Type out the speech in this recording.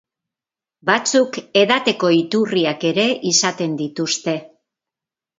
Batzuk, edateko iturriak ere izaten dituzte.